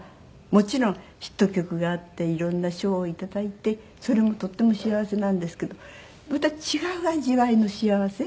もちろんヒット曲があって色んな賞を頂いてそれもとっても幸せなんですけどまた違う味わいの幸せ？